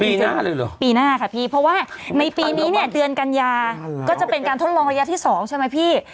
หน้าเลยเหรอปีหน้าค่ะพี่เพราะว่าในปีนี้เนี่ยเดือนกัญญาก็จะเป็นการทดลองระยะที่๒ใช่ไหมพี่